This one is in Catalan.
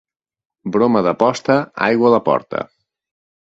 Broma de posta, aigua a la porta.